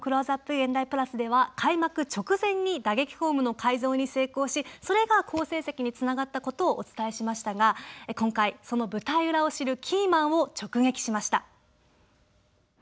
現代＋」では開幕直前に打撃フォームの改造に成功しそれが好成績につながった事をお伝えしましたが今回その舞台裏を知るキーマンを直撃しました。